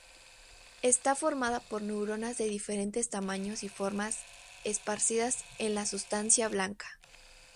Está formada por neuronas de diferentes tamaños y formas esparcidas en la sustancia blanca.